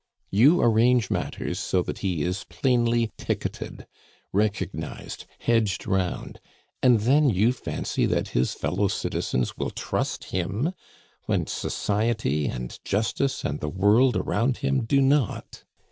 "You arrange matters so that he is plainly ticketed, recognized, hedged round, and then you fancy that his fellow citizens will trust him, when society and justice and the world around him do not.